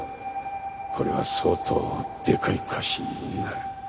これは相当でかい貸しになる。